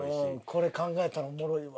これ考えたらおもろいわ。